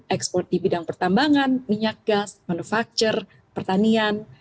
ekspor di bidang pertambangan minyak gas manufaktur pertanian